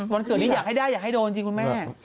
เกิดนี้อยากให้ได้อยากให้โดนสิคุณแม่